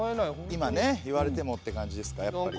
今ね言われてもっていう感じですかやっぱり。